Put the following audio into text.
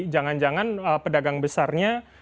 jangan jangan pedagang besarnya